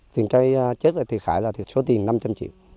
tiền cây chết là thiệt hại là số tiền năm trăm linh triệu